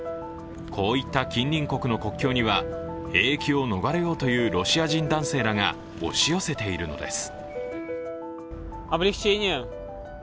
こういった近隣国の国境には兵役を逃れようというロシア人男性らが押し寄せているのです。